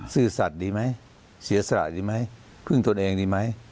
ซื่อสัตว์ดีไหมเสียสละดีไหมพึ่งตนเองดีไหม